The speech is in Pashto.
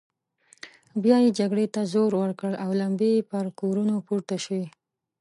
بيا يې جګړې ته زور ورکړ او لمبې يې پر کورونو پورته شوې.